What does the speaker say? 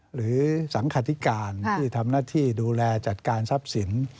หรือสังขธิการที่ทำหน้าที่ดูแลจัดการทรัพย์สิน